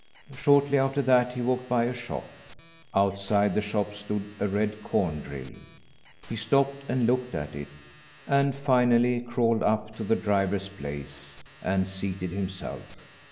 Shortly after that he walked by a shop. Outside the shop stood a red corn drill. He stopped and looked at it; and finally crawled up to the driver's place, and seated himself.